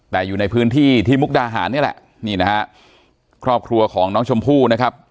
แต่อยู่ในพื้นที่ที่มุกดาหารนี่แหละนี่นะฮะครอบครัวของน้องชมพู่นะครับ